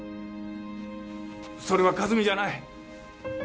それは和美じゃない！